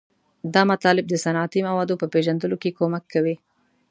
دا مطالب د صنعتي موادو په پیژندلو کې کومک کوي.